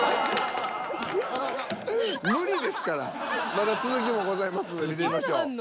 まだ続きもございますので見てみましょう。